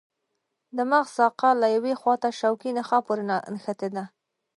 د مغز ساقه له یوې خواته شوکي نخاع پورې نښتې ده.